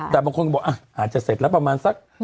แต่บางคนก็บอกอาจจะเสร็จแล้วประมาณสัก